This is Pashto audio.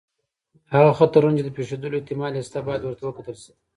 هغه خطرونه چې د پېښېدلو احتمال یې شته، باید ورته وکتل شي.